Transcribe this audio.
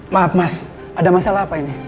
maaf mas ada masalah apa ini